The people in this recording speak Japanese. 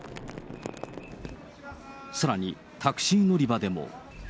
さらに、タクシー乗り場でも。